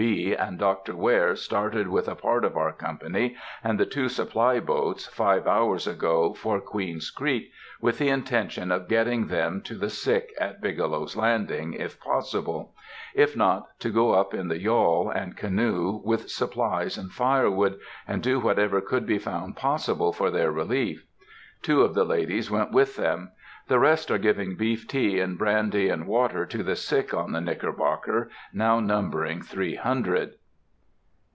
B. and Dr. Ware started with a part of our company and the two supply boats, five hours ago, for Queen's Creek, with the intention of getting them to the sick at Bigelow's Landing, if possible; if not, to go up in the yawl and canoe with supplies and firewood, and do whatever should be found possible for their relief. Two of the ladies went with them. The rest are giving beef tea and brandy and water to the sick on the Knickerbocker, now numbering three hundred.